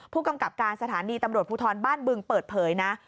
ผู้กำกับการสถานีตำรวจภูทรบ้านบึงเปิดเผยนะ